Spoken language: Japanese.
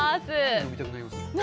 飲みたくなりますよね？